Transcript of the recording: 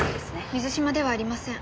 水嶋ではありません。